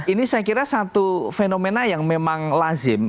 ini saya kira satu fenomena yang memang lazim